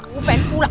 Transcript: aku pengen pulang